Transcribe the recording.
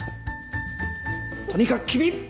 とにかく君！